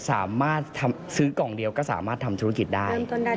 สามารถซื้อกล่องเดียวก็สามารถทำธุรกิจได้